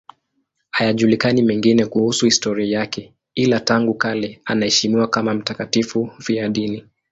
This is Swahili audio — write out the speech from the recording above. Hayajulikani mengine kuhusu historia yake, ila tangu kale anaheshimiwa kama mtakatifu mfiadini.